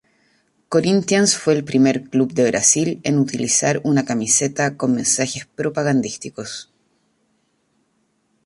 Corinthians fue el primer club de Brasil en utilizar una camiseta con mensajes propagandísticos.